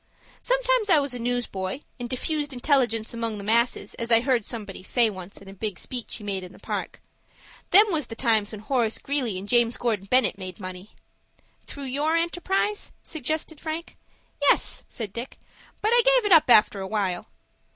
Sometimes I was a newsboy, and diffused intelligence among the masses, as I heard somebody say once in a big speech he made in the Park. Them was the times when Horace Greeley and James Gordon Bennett made money." "Through your enterprise?" suggested Frank. "Yes," said Dick; "but I give it up after a while."